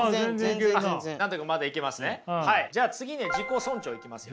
じゃあ次ね自己尊重いきますよ。